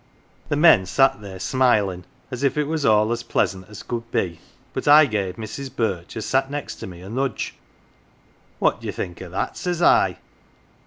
The men sat there sinilin 1 as if it all was as pleasant as could be, but I gave Mi's. Birch, as sat next me, a nudge. "' What d'ye think o 1 that ?' says I.